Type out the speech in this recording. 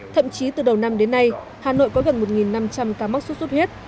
thậm chí từ đầu năm đến nay hà nội có gần một năm trăm linh ca mắc sốt xuất huyết